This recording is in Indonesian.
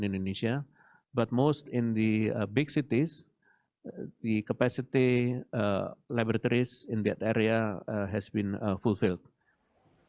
di kota kota besar kapasitas laboratorium di area tersebut telah dikumpulkan